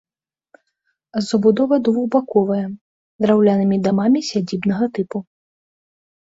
Забудова двухбаковая, драўлянымі дамамі сядзібнага тыпу.